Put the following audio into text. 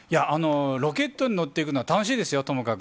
ロケットに乗って行くのは楽しいですよ、ともかく。